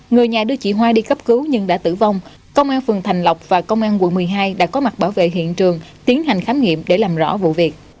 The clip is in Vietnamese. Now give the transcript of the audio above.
người nhà đưa chị hoa đi cấp cứu nhưng đã tử vong công an phường thành lộc và công an quận một mươi hai đã có mặt bảo vệ hiện trường tiến hành khám nghiệm để làm rõ vụ việc